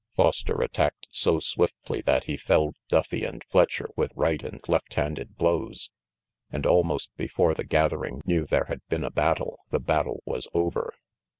Foster attacked so swiftly that he felled Duffy and Fletcher with right and left handed blows, and almost before the gathering knew there had been a battle, the battle was over.